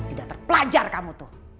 tidak terpelajar kamu tuh